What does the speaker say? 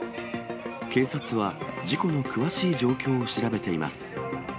警察は事故の詳しい状況を調べています。